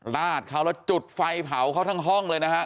ลาดเขาแล้วจุดไฟเผาเขาทั้งห้องเลยนะฮะ